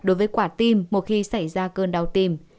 đối với quả tim một khi xảy ra cơn đau tim